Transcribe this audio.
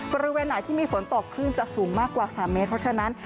บริเวณไหนที่มีฝนตกคลื่นจะสูงมากกว่า๓เมตรเพราะฉะนั้น